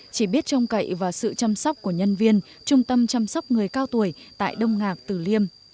chỉ biết trông cậy và sự chăm sóc của nhân viên trung tâm chăm sóc người cao tuổi tại đông ngạc tử liêm